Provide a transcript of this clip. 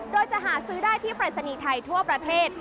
โดยจะหาซื้อได้ที่ปรายศนีย์ไทยทั่วประเทศ